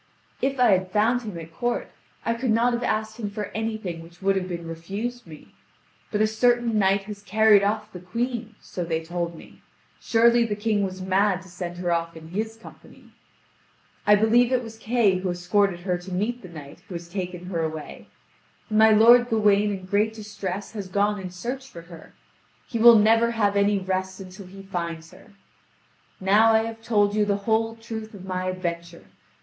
"If I had found him at court, I could not have asked him for anything which would have been refused me; but a certain knight has carried off the Queen, so they told me; surely the King was mad to send her off in his company. I believe it was Kay who escorted her to meet the knight who has taken her away; and my lord Gawain in great distress has gone in search for her. He will never have any rest until he finds her. Now I have told you the whole truth of my adventure.